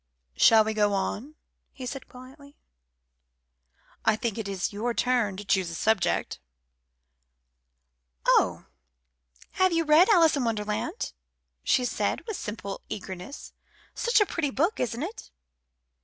"Shall we go on?" he said quietly. "I think it is your turn to choose a subject " "Oh! have you read Alice in Wonderland?" she said, with simple eagerness. "Such a pretty book, isn't it?"